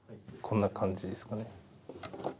こんな感じですかね。